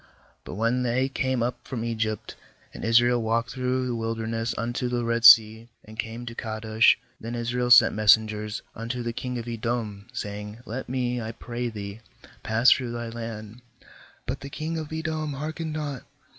16But when they came up from Egypt, and Israel walked through the wilder ness unto the Red Sea, and came to Kadesh; 17then Israel sent messengers unto the king of Edom, saying: Let me, I pray thee, pass through thy land; but the king of Edom heark ened not.